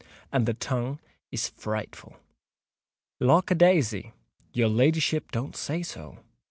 "And the tongue frightful!" "Lawk a daisy!—your ladyship don't say so!"